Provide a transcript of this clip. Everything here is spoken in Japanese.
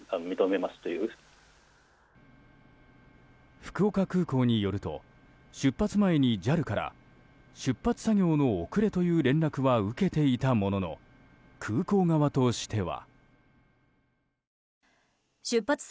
福岡空港によると出発前にＪＡＬから出発作業の遅れという連絡は受けていたものの空港側としては。